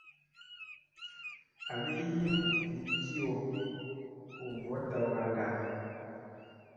Agi hin vit kiyo hu votta wan da.